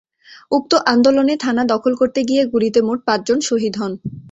উক্ত আন্দোলনে থানা দখল করতে গিয়ে গুলিতে মোট পাঁচজন শহীদ হন।